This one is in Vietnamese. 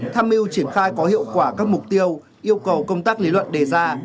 tham mưu triển khai có hiệu quả các mục tiêu yêu cầu công tác lý luận đề ra